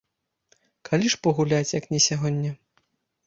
Калі ж пагуляць, як не сягоння?